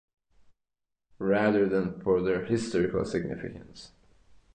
Rather than for their historical significance.